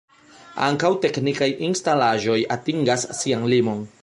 Ankaŭ teknikaj instalaĵoj atingas sian limon.